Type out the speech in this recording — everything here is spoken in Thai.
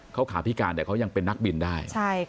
เขาขาพิการแต่เขายังเป็นนักบินได้